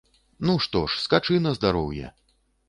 Ну, што ж, скачы на здароўе.